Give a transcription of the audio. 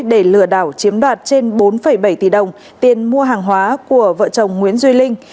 để lừa đảo chiếm đoạt trên bốn bảy tỷ đồng tiền mua hàng hóa của vợ chồng nguyễn duy linh